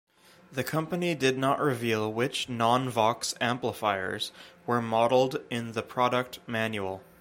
The company did not reveal which non-Vox amplifiers were modeled in the product manual.